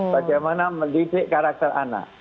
bagaimana mendidik karakter anak